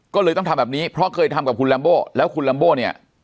ก็เลยต้องทำแบบนี้เพราะเคยทำกับคุณลัมโบ้แล้วคุณลัมโบ้เนี่ย